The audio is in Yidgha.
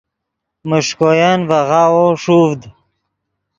میݰکوین ڤے غاوو ݰوڤد